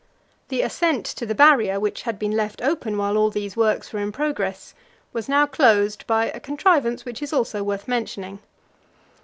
The ascent to the Barrier, which had been left open while all these works were in progress, was now closed by a contrivance which is also worth mentioning.